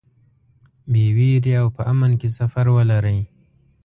بې وېرې او په امن کې سفر ولرئ.